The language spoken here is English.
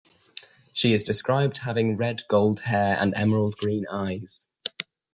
She is described having red-gold hair and emerald green eyes.